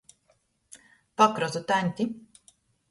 Pakrotu taņti.